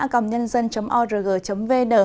cầm nhân dân org vn